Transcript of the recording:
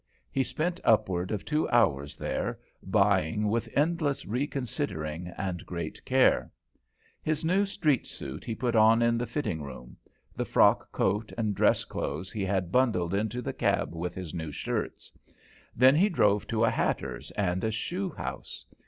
He spent upward of two hours there, buying with endless reconsidering and great care. His new street suit he put on in the fitting room; the frock coat and dress clothes he had bundled into the cab with his new shirts. Then he drove to a hatter's and a shoe house.